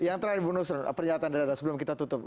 yang terakhir ibu nusron pernyataan dada sebelum kita tutup